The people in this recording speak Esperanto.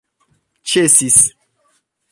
ĉesis